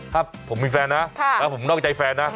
ถ้าผมมีแฟนนะแล้วผมนอกใจแฟนนะ